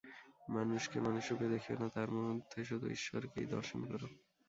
মানুষকে মানুষরূপে দেখিও না, তাহার মধ্যে শুধু ঈশ্বরকেই দর্শন কর।